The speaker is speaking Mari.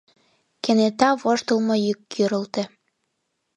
Кенета воштылмо йӱк кӱрылтӧ.